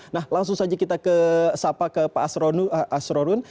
nah langsung saja kita sapa ke pak asrorun